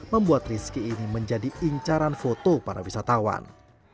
membuat rizky ini menjadi incaran foto para wisatawan